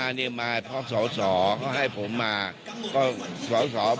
อันนี้จะต้องจับเบอร์เพื่อที่จะแข่งกันแล้วคุณละครับ